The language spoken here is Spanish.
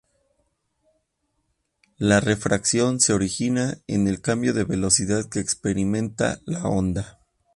La refracción se origina en el cambio de velocidad que experimenta la onda.